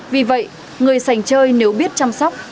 vì vậy người sành chơi nếu biết chăm sóc